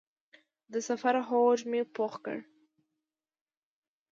د سفر هوډ مې پوخ کړ.